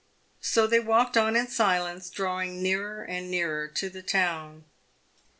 So they walked on in silence, drawing nearer and nearer to the town.